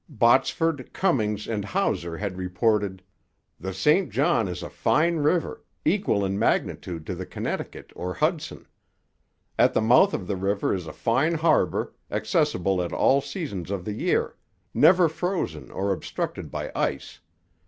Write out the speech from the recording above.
Botsford, Cummings, and Hauser had reported: 'The St John is a fine river, equal in magnitude to the Connecticut or Hudson. At the mouth of the river is a fine harbour, accessible at all seasons of the year never frozen or obstructed by ice...